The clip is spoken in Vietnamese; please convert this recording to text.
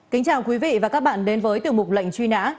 kính chào quý vị và các bạn đến với tiểu mục lệnh truy nã